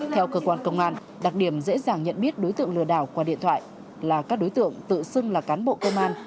theo cơ quan công an đặc điểm dễ dàng nhận biết đối tượng lừa đảo qua điện thoại là các đối tượng tự xưng là cán bộ công an